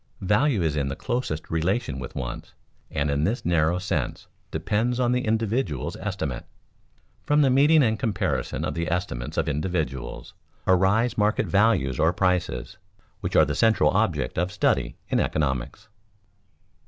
Value is in the closest relation with wants, and in this narrow sense depends on the individual's estimate. From the meeting and comparison of the estimates of individuals, arise market values or prices, which are the central object of study in economics.